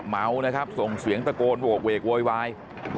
เมานะครับส่งเสียงตะโกนโหกเวกโวยวาย